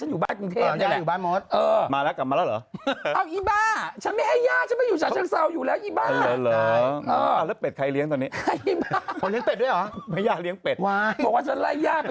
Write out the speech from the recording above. อยู่จากยาดฉันอยู่บ้านกรุงเทพนี่แหละ